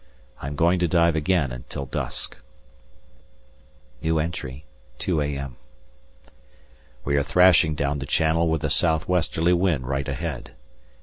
I am going to dive again till dusk. 2 a.m. We are thrashing down the Channel with a south westerly wind right ahead.